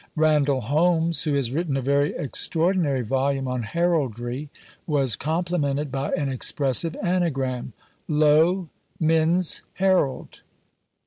Randle Holmes, who has written a very extraordinary volume on heraldry, was complimented by an expressive anagram: _Lo, Men's Herald!